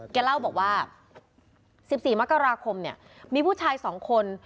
แกเล่าบอกว่าสิบสี่มกราคมเนี่ยมีผู้ชายสองคน